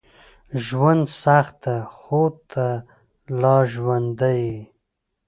ژوند سخت ده، خو ته لا ژوندی یې.